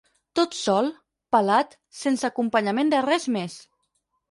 Tot sol, pelat, sense acompanyament de res més.